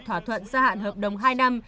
thỏa thuận gia hạn hợp đồng hai năm